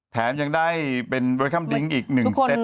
แถมยังได้เป็นเวิร์คัมดิงอีก๑เซตด้วยนะ